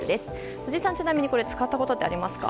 辻さんは、ちなみにこれ使ったことはありますか？